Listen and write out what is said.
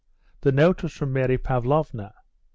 The note was from Mary Pavlovna.